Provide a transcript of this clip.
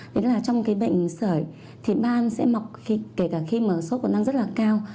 đấy là trong cái bệnh sởi thì ban sẽ mọc kể cả khi mà sốt còn đang rất là cao